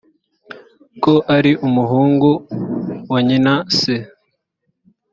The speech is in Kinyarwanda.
ko ari umuhungu wa nyina se